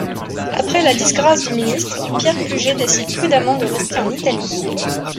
Après la disgrace du ministre, Pierre Puget décide prudemment de rester en Italie.